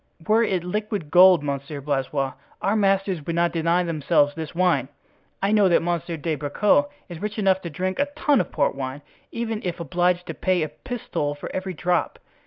"Were it liquid gold, Monsieur Blaisois, our masters would not deny themselves this wine. Know that Monsieur de Bracieux is rich enough to drink a tun of port wine, even if obliged to pay a pistole for every drop."